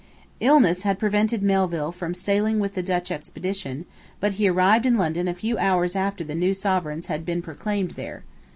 Illness had prevented Melville from sailing with the Dutch expedition: but he arrived in London a few hours after the new Sovereigns had been proclaimed there.